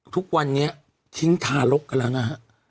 ทุกวันนี้ทิ้งทารกกันแล้วนะฮะ